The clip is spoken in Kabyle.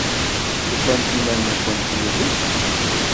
Tufamt iman-nkent yid-s?